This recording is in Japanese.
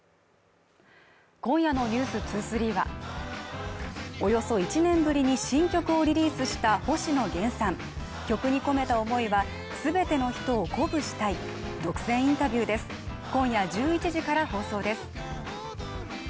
今夜の「ｎｅｗｓ２３」はおよそ１年ぶりに新曲をリリースした星野源さん曲に込めた思いはすべての人を鼓舞したい独占インタビューですえっ！！